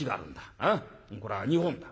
これは日本だ。